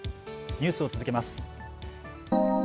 ニュースを続けます。